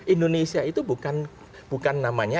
indonesia itu bukan